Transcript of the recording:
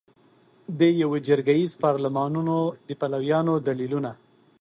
د یوه جرګه ایز پارلمانونو د پلویانو دلیلونه